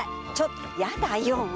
ちょっとヤダよ！